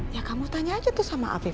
ya kamu tanya aja tuh sama afif